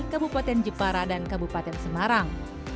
kabupaten jepara dan kabupaten semarang